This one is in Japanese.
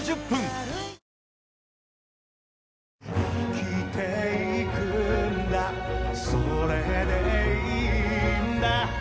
「生きていくんだそれでいいんだ」